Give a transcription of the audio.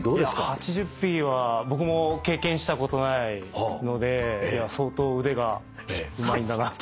８０匹は僕も経験したことないので相当腕がうまいんだなって。